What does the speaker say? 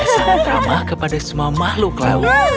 sangat ramah kepada semua makhluk laut